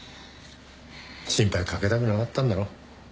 心配かけたくなかったんだろ。